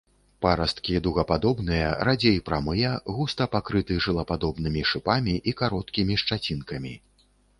Парасткі дугападобныя, радзей прамыя, густа пакрыты шылападобнымі шыпамі і кароткімі шчацінкамі.